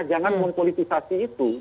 jangan mempolitisasi itu